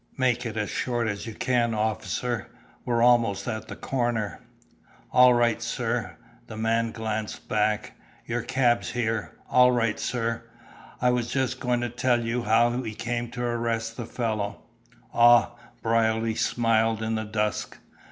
"Make it as short as you can, officer; we're almost at the corner." "All right, sir." The man glanced back. "Your cab's here, all right, sir. I was just going to tell you how we came to arrest the fellow." "Ah!" Brierly smiled in the dusk.